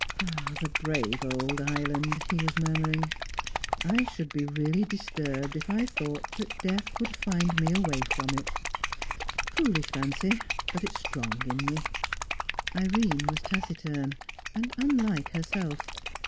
"The brave old island!" he was murmuring. "I should be really disturbed if I thought death would find me away from it. Foolish fancy, but it's strong in me." Irene was taciturn, and unlike herself.